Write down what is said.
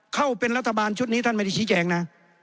เข้าเป็นรัฐบาลชุดนี้ท่านไม่ได้ชี้แจงนะ